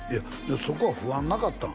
そこは不安なかったん？